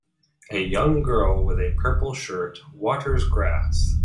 A young girl with a purple shirt, waters grass.